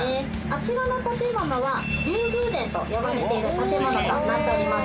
あちらの建物は。と呼ばれている建物となっております。